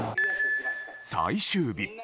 最終日。